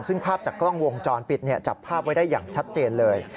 ซึ่งภาพจากกล้องวงจรปิดจับภาพไว้ได้อย่างชัดเจนเลย